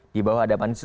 di bawah ada apaan